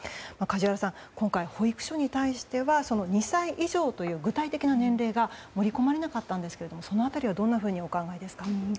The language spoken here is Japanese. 梶原さん、今回保育所に対しては２歳以上という具体的な年齢が盛り込まれなかったんですがその辺りはどんなふうにお考えですか。